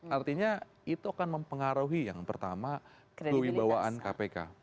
artinya itu akan mempengaruhi yang pertama kewibawaan kpk